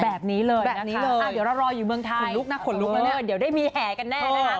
แบบนี้เลยนะคะอ่ะเดี๋ยวเรารออยู่เมืองไทยโอ้โฮเดี๋ยวได้มีแห่กันแน่นะคะ